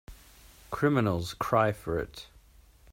Criminals cry for it.